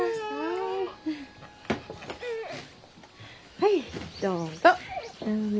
はいどうぞ。